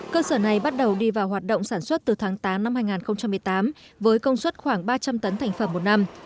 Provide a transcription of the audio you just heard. cơ sở này bắt đầu đi vào hoạt động sản xuất từ tháng tám năm hai nghìn một mươi tám với công suất khoảng ba trăm linh tấn thành phẩm một năm